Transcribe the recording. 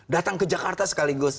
datang ke jakarta sekaligus